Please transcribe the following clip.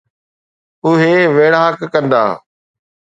اهي ويڙهاڪ ڪندا